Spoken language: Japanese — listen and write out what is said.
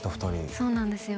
そうなんですよ